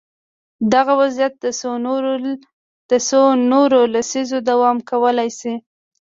دغه وضعیت د څو نورو لسیزو دوام کولای شي.